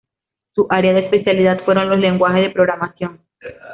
Su área de especialidad fueron los lenguajes de programación.